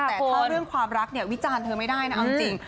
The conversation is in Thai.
แต่ถ้าเรื่องความรักเนี่ยวิจารณ์เธอไม่ได้นะเอาจริง